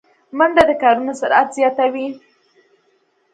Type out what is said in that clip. منډه د کارونو سرعت زیاتوي